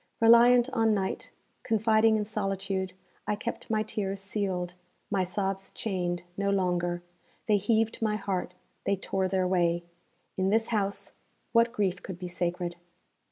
Reliant on night, confiding in solitude, I kept my tears sealed, my sobs chained, no longer. They heaved my heart; they tore their way. In this house, what grief could be sacred!